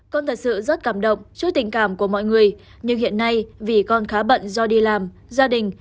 con thật sự rất cảm động trước tình cảm của mọi người nhưng hiện nay vì con khá bận do đi làm gia đình